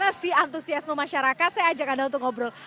apa sih antusiasme masyarakat saya ajak anda untuk ngobrol